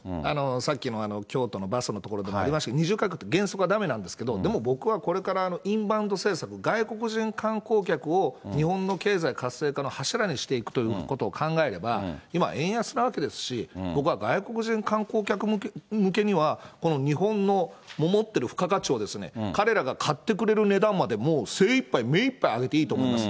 さっきも京都のバスのところでもありましたけれども、二重価格、原則はだめなんですけど、でも僕はこれからインバウンド政策、外国人観光客を日本の経済活性化のための柱にしていくということを考えれば、今、円安なわけですし、僕は外国人観光客向けには、この日本の持っている付加価値を彼らが買ってくれる値段までもう精いっぱい、目いっぱい上げていいと思います。